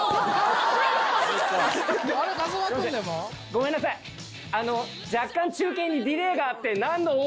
ごめんなさい若干中継にディレーがあって何の「お！」